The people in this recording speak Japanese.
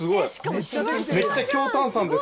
めっちゃ強炭酸ですね。